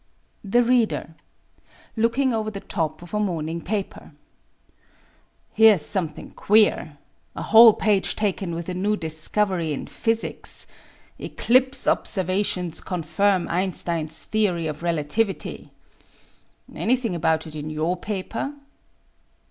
The Reader (looking over the top of a morning paper) : Here's something queer — a whole page taken with a new discovery in physics —" Eclipse Observations Con firm Einstein's Theory of Relativity." Anything about it in your paper?